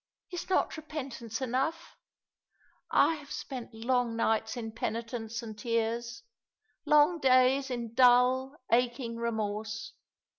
Is not repentance enough ? I have spent long nights in penitence and tears, long days in dull aching remorse.